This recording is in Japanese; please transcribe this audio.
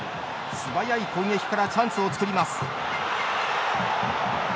素早い攻撃からチャンスを作ります。